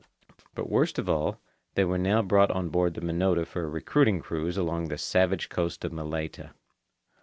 But worst of all, they were now brought on board the Minota for a recruiting cruise along the savage coast of Malaita.